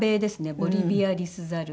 ボリビアリスザル。